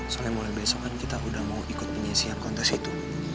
soalnya mulai besokan kita udah mau ikut punya siap kontes itu